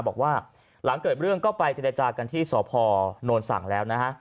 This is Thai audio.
บอกว่าหลังเกิดเรื่องก็ไปเจรจากันที่สพนสั่งแล้วนะฮะ